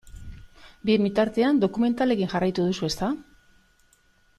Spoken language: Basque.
Bien bitartean dokumentalekin jarraitu duzu, ezta?